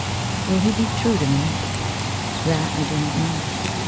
WILL he be true to me ? That I do not know.